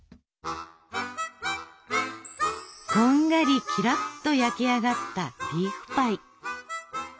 こんがりキラッと焼き上がったリーフパイ。